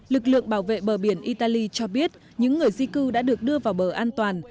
lực lượng bảo vệ bờ biển italy cho biết những người di cư đã được đưa vào bờ an toàn